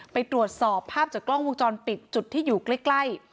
ไปตรวจสอบภาพจากกล้องวงจรปิดจุดที่อยู่ใกล้